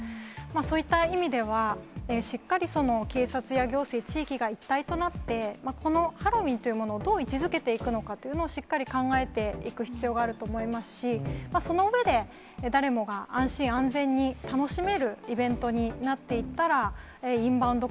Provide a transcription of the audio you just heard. そういった意味では、しっかり警察や行政、地域が一体となって、このハロウィーンというものをどう位置づけていくのかというのをしっかり考えていく必要があると思いますし、その上で、誰もが安心、安全に楽しめるイベントになっていったら、インバウンド